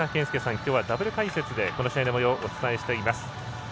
きょうはダブル解説でこの試合のもようをお伝えしています。